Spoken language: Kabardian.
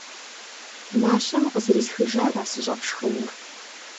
- Мащэм укъызэрисхыжара сыщӏэпшхынур?